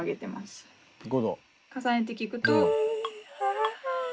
重ねて聴くと。